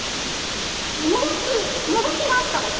のぞきのぞきがあったんです